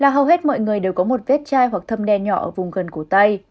hầu hết mọi người đều có một vết chai hoặc thâm đen nhỏ ở vùng gần cổ tay